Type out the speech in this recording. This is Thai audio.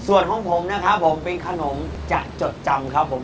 ส่วนของผมนะครับผมเป็นขนมจะจดจำครับผม